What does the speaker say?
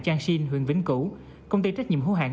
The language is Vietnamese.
trang sinh huyện vĩnh cửu công ty trách nhiệm hữu hạng